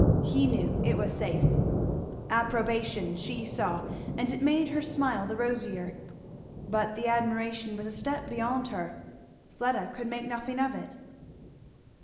He knew it was safe. Approbation she saw, and it made her smile the rosier; but the admiration was a step beyond her; Fleda could make nothing of it.